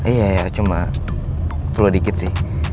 iya ya cuma flu dikit sih